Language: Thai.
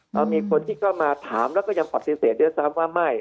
เรามีคนที่เข้ามาถามแล้วก็ยังปฏิเสธด้วยซ้ำว่าไม่